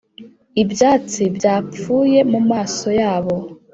ibyatsi byapfuye mumaso yabo